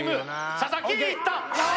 佐々木いったああ